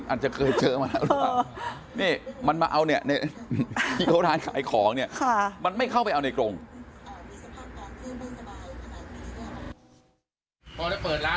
อาจจะเคยเจอมาแล้วหรือเปล่า